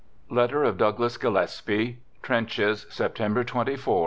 {Letter of Douglas Gillespie) Trenches, September 24, 1915.